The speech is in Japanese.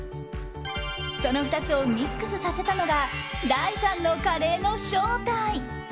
その２つをミックスさせたのが第３のカレーの正体。